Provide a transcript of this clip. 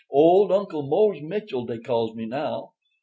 Old Uncle Mose Mitchell, dey calls me now.